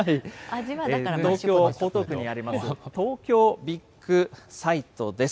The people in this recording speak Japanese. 東京・江東区にあります東京ビッグサイトです。